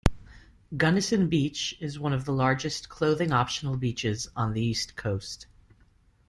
Gunnison Beach is one of the largest clothing optional beaches on the East Coast.